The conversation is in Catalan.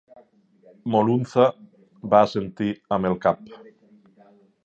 Moluntha va assentir amb el cap.